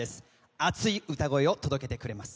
熱い歌声を届けてくれます。